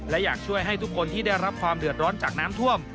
และอยากช่วยให้ทุกคนที่ได้รับความเดือดร้อนจากน้ำท่วม